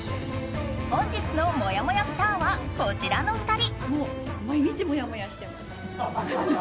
本日のもやもやスターはこちらの２人。